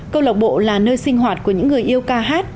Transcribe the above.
câu lạc bộ là nơi sinh hoạt của những người yêu ca hát